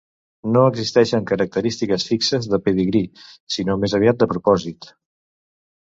No existeixen característiques fixes de pedigrí, sinó més aviat de propòsit.